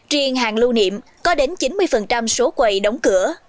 riêng hàng lưu niệm có đến chín mươi số quầy đóng cửa